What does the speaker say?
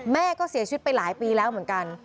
แม่ก็เสียชีวิตไปหลายปีแล้วเหมือนกัน